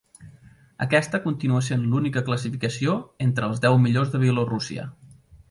Aquesta continua sent l'única classificació entre els deu millors de Bielorússia.